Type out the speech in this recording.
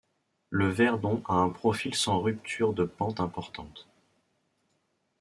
Le Verdon a un profil sans ruptures de pente importantes.